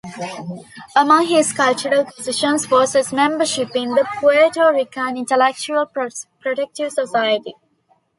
Among his cultural positions was his membership in the Puerto Rican Intellectual Protective Society.